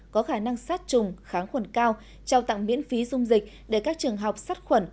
có khả năng sát trùng kháng khuẩn cao trao tặng miễn phí dung dịch để các trường học sát khuẩn